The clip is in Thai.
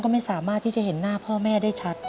ไม่สามารถที่จะเห็นหน้าพ่อแม่ได้ชัด